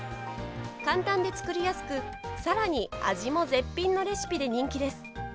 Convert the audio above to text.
簡単で作りやすくさらに味も絶品のレシピで人気です。